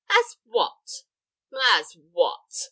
"As what? as what?"